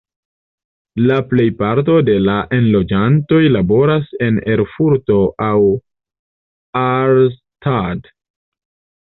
La plejparto de la enloĝantoj laboras en Erfurto aŭ Arnstadt.